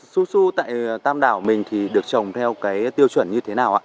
su su tại tam đảo mình thì được trồng theo cái tiêu chuẩn như thế nào ạ